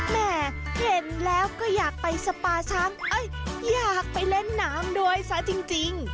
แม่เห็นแล้วก็อยากไปสปาช้างอยากไปเล่นน้ำด้วยซะจริง